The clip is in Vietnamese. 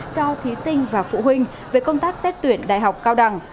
cho thí sinh và phụ huynh về công tác xét tuyển đại học cao đẳng